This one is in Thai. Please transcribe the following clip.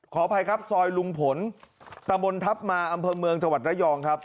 ขออภัยครับซอยลุงผลตะบนทัพมาอำเภอเมืองจังหวัดระยองครับ